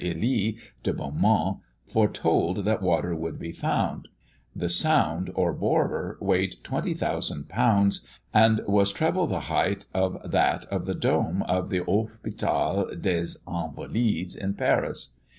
Elie de Beaumont foretold that water would be found. The sound, or borer, weighed 20,000 lb., and was treble the height of that of the dome of the Hospital des Invalides, at Paris.